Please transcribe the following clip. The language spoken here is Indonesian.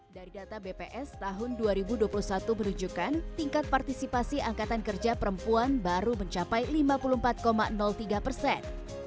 dari data bps tahun dua ribu dua puluh satu menunjukkan tingkat partisipasi angkatan kerja perempuan baru mencapai lima puluh empat tiga persen